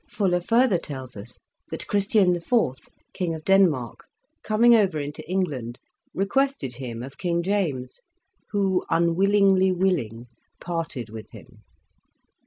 Fuller further tells us that Christian IV., King of Denmark, coming over into England, requested him ot King James, "who unwillingly willing parted with him."